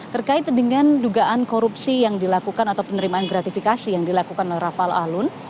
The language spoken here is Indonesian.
terkait dengan dugaan korupsi yang dilakukan atau penerimaan gratifikasi yang dilakukan oleh rafael alun